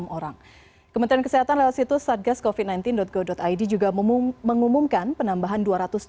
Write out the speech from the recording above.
sembilan ratus tujuh belas ribu tiga ratus enam orang kementerian kesehatan lewat situs sadgas kofit sembilan belas com id juga mengumumkan penambahan